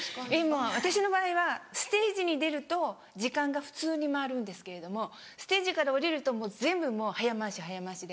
私の場合はステージに出ると時間が普通に回るんですけれどもステージから下りるともう全部早回し早回しで。